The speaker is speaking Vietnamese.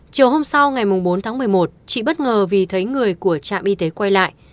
chiều hôm sau ngày bốn tháng một mươi một chị bất ngờ vì thấy người của trạm y tế quay lại